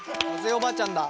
おばあちゃんだ。